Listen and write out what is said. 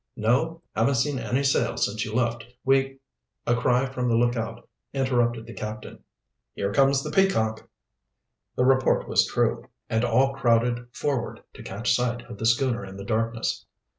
"No, haven't seen any sail since you left. We " A cry from the lookout interrupted the captain. "Here comes the Peacock!" The report was true, and all crowded forward to catch sight of the schooner in the darkness.